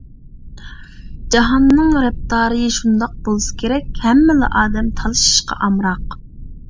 جاھاننىڭ رەپتارى شۇنداق بولسا كېرەك، ھەممىلا ئادەم تالىشىشقا ئامراق.